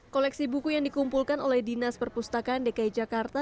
koleksi buku yang dikumpulkan oleh dinas perpustakaan dki jakarta